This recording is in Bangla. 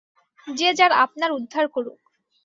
যে যার আপনার উদ্ধার করুক।